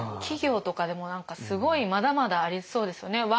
企業とかでも何かすごいまだまだありそうですよね。